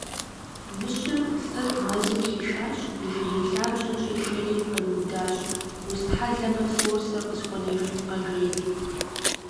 Мыщэм лӀыр мэзым хишащ, жыгей лъабжьэм щӀишэри къриудащ: - Устхьэлэмэ, фор сэ къысхуэнэжынкъэ, жери.